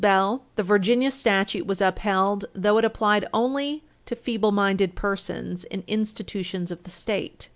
Bell, supra, the Virginia statute was upheld though it applied only to feeble minded persons in institutions of the State.